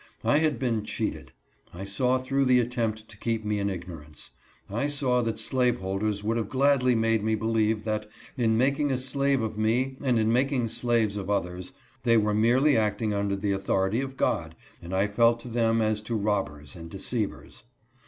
I had been cheated. I saw through the attempt to keep me in ignorance. I saw that slaveholders would have gladly made me believe that, in making a slave of me and in making slaves of others, they were merely acting under the authority of God, and I felt to them as to rob bers and deceivers.